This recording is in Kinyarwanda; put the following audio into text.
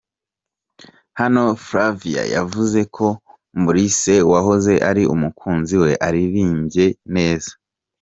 Hano Flavia yavuze ko Maurice wahoze ari umukunzi we aririmbye neza.